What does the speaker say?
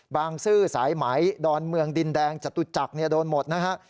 ซื่อสายไหมดอนเมืองดินแดงจตุจักรโดนหมดนะฮะ